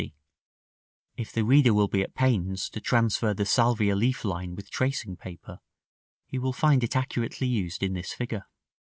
LX. (If the reader will be at the pains to transfer the salvia leaf line with tracing paper, he will find it accurately used in this figure.)